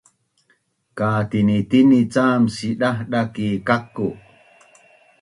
katinitini cam sidahdah ki kaku’